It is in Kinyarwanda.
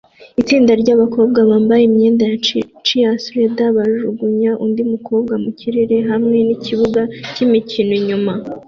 Itsinda ryabakobwa bambaye imyenda ya cheerleader bajugunya undi mukobwa mukirere hamwe nikibuga cyimikino inyuma